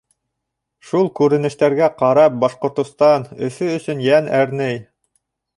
Шул күренештәргә ҡарап Башҡортостан, Өфө өсөн йән әрней.